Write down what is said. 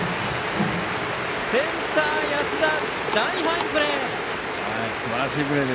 センター、安田大ファインプレー！